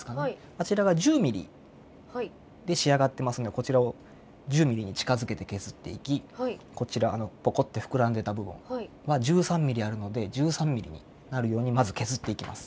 あちらが１０ミリで仕上がってますんでこちらを１０ミリに近づけて削っていきこちらポコッて膨らんでた部分は１３ミリあるので１３ミリになるようにまず削っていきます。